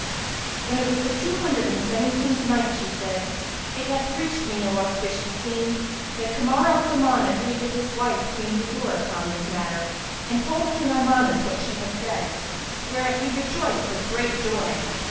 When it was the Two Hundred and Seventeenth Night, She said, It hath reached me, O auspicious King, that Kamar al Zaman agreed with his wife, Queen Budur, upon this matter and told King Armanus what she had said; whereat he rejoiced with great joy.